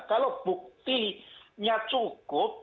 kalau buktinya cukup